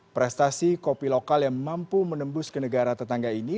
prestasi kopi lokal yang mampu menembus ke negara tetangga ini